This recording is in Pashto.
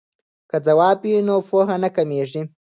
که ځواب وي نو پوهه نه کمېږي.